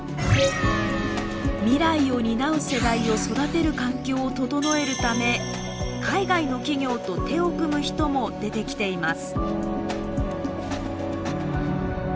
未来を担う世代を育てる環境を整えるため海外の企業と手を組む人も出てきています。